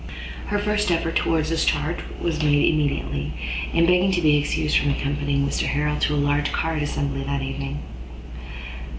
Her first effort towards this change was made immediately, in begging to be excused from accompanying Mrs Harrel to a large card assembly that evening.